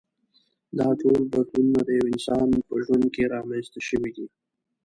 دا ټول بدلونونه د یوه انسان په ژوند کې رامنځته شوي دي.